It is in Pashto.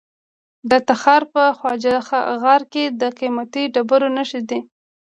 د تخار په خواجه غار کې د قیمتي ډبرو نښې دي.